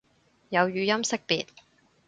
有語音識別